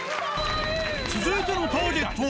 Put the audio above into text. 続いてのターゲットは？